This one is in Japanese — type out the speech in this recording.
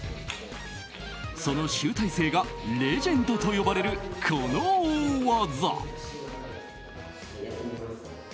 その集大成がレジェンドと呼ばれるこの大技。